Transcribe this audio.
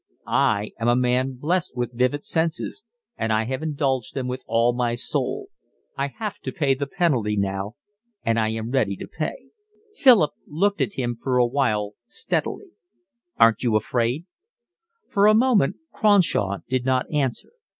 I am a man blessed with vivid senses, and I have indulged them with all my soul. I have to pay the penalty now, and I am ready to pay." Philip looked at him for a while steadily. "Aren't you afraid?" For a moment Cronshaw did not answer.